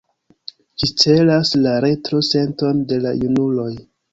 Ĝi celas la retro-senton de la junuloj.